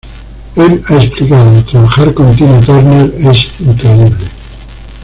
Él ha explicado: "Trabajar con Tina Turner es increíble.